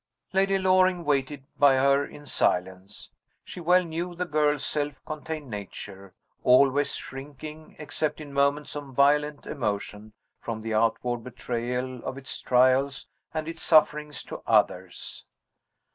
Lady Loring waited by her in silence. She well knew the girl's self contained nature, always shrinking, except in moments of violent emotion, from the outward betrayal of its trials and its sufferings to others.